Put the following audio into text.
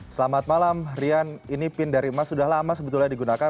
selamat malam rian ini pin dari emas sudah lama sebetulnya digunakan